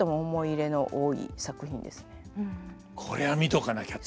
「これは見とかなきゃ」って。